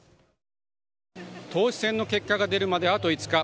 党首選の結果が出るまであと５日。